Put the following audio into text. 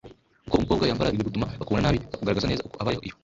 uko umukobwa yambara bigagutuma bakubona nabi bakuragaza neza uko abayeho iyo